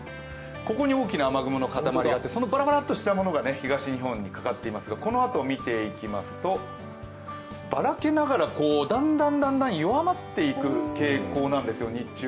ここに大きな雨雲の塊があってそのバラバラッとしたものが東日本にかかっていますが、このあと、ばらけながらだんだん、弱まっていく傾向なんです、日中。